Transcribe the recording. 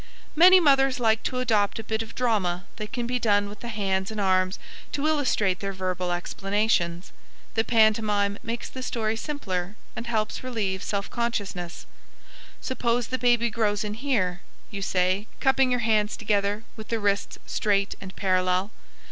Many mothers like to adopt a bit of drama that can be done with the hands and arms to illustrate their verbal explanations. The pantomime makes the story simpler and helps relieve self consciousness. "Suppose the baby grows in here," you say, cupping your hands together with the wrists straight and parallel.